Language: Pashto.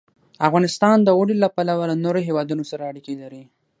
افغانستان د اوړي له پلوه له نورو هېوادونو سره اړیکې لري.